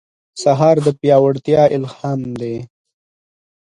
سهار د پیاوړتیا الهام دی.